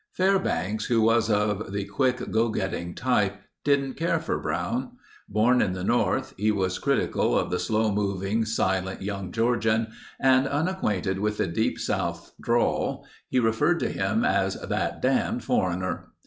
Fairbanks, who was of the quick, go getting type, didn't care for Brown. Born in the North, he was critical of the slow moving, silent, young Georgian and unacquainted with the Deep South's drawl, he referred to him as "that damned foreigner."